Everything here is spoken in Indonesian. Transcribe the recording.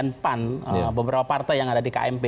dan pan beberapa partai yang ada di kmp